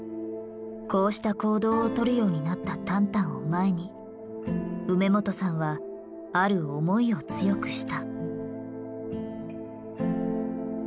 こうした行動をとるようになったタンタンを前に梅元さんはある思いを強くした。